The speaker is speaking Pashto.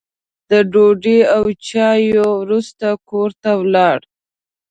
د ډوډۍ او چایو وروسته کور ته ولاړ.